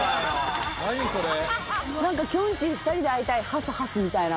「きょんちぃ２人で会いたいｈｓｈｓ」みたいな。